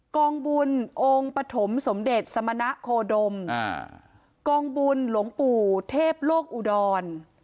กองบุญองค์ปฐมสมเด็จสมณะโคดมกองบุญหลวงปู่เทพโลกอุดร